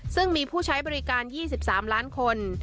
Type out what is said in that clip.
ซึ่งมีผู้ใช้บริการ๒๓ล้านคน